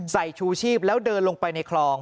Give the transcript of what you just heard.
ชูชีพแล้วเดินลงไปในคลอง